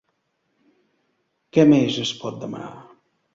Què més es pot demanar.